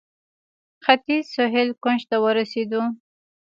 ختیځ سهیل کونج ته ورسېدو.